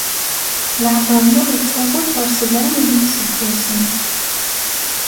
Leɛmer-nneɣ ittaweḍ ɣer sebɛin n yiseggasen.